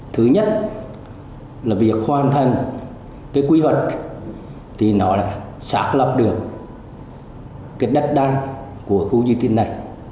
thứ nhất là việc hoàn thành cái quy hoạch thì nó đã xác lập được cái đất đai của khu di tích này